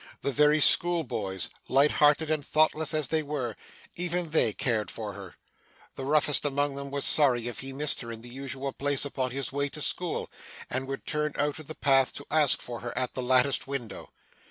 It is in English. The very schoolboys, light hearted and thoughtless as they were, even they cared for her. The roughest among them was sorry if he missed her in the usual place upon his way to school, and would turn out of the path to ask for her at the latticed window.